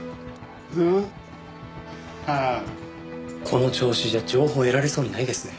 この調子じゃ情報得られそうにないですね。